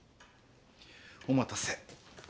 お待たせ。